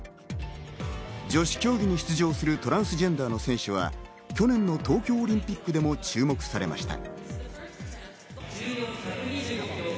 女子競技に出場するトランスジェンダーの選手は去年の東京オリンピックでも注目されました。